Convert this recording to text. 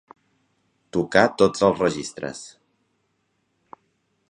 Tocar tots els registres.